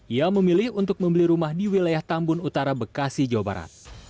ia memilih untuk membeli rumah di wilayah tambun utara bekasi jawa barat